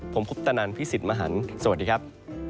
ผมคุปตนันพี่สิทธิ์มหันฯสวัสดีครับ